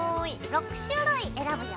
６種類選ぶよ。